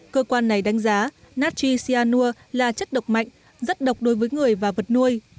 cơ quan này đánh giá natchi cyanur là chất độc mạnh rất độc đối với người và vật nuôi